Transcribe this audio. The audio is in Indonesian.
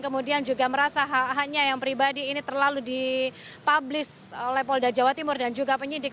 kemudian juga merasa hanya yang pribadi ini terlalu dipublis oleh polda jawa timur dan juga penyidik